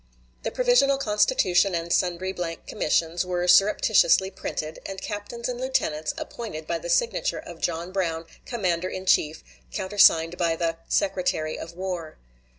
The provisional constitution and sundry blank commissions were surreptitiously printed, and captains and lieutenants appointed by the signature of John Brown "Commander in Chief," countersigned by the "Secretary of War."